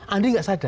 andi tidak sadar